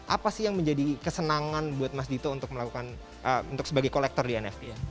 apa sih yang menjadi kesenangan buat mas dito untuk melakukan untuk sebagai kolektor di nft